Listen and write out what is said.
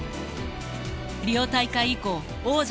リオ大会以降王者